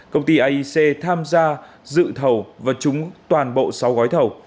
công ty aic tham gia dự thầu và trúng toàn bộ sáu gói thầu